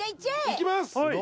いきます